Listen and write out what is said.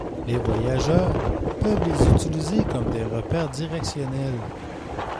Les voyageurs peuvent les utiliser comme des repères directionnels.